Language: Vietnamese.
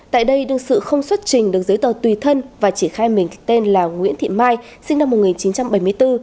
tại đây đương sự không xuất trình được giấy tờ tùy thân và chỉ khai mình tên là nguyễn thị mai sinh năm một nghìn chín trăm bảy mươi bốn